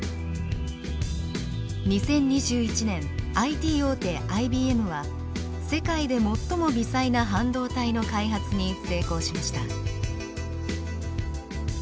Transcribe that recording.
２０２１年ＩＴ大手ＩＢＭは世界で最も微細な半導体の開発に成功しました。